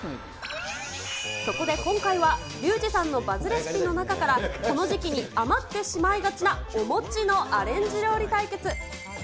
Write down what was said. そこで今回は、リュウジさんのバズレシピの中からこの時期に余ってしまいがちなお餅のアレンジ料理対決。